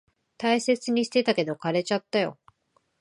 大切にしてたけど、枯れちゃったよ。